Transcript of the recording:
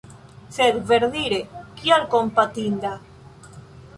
Sed, verdire, kial kompatinda?